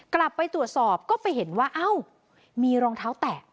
กลับไปตรวจสอบก็ไปเห็นว่าเอ้ามีรองเท้าแตะ